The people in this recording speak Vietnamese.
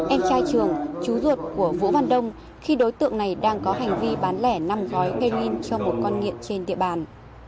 em trai trường chú ruột của vũ văn đông khi đối tượng này đang có hành vi bán lẻ năm gói heroin cho một con nghiện trên địa bàn